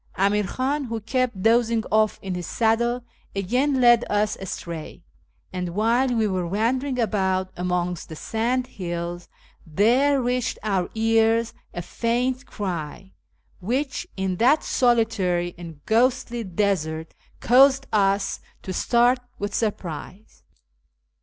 Amir Khan, who kept dozing oft' in his saddle, again led us astray ; and, while we were wandering about amongst the sandhills, there reached our ears a faint cry, which, in that solitary and ghostly desert, caused us to start with surprise.